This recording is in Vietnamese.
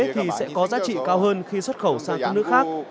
thì sẽ có giá trị cao hơn khi xuất khẩu sang các nước khác